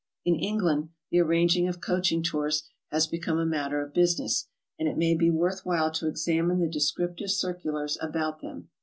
In England the arranging of coaching tours has become a matter of business, and k may be worth while to examine the descriptive circu lars about them.